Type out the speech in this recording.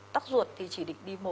tắc ruột thì chỉ định đi mổ